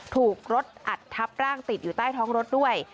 ถูกรถอัดทับร่างติดอยู่ใต้ท้องรถด้วย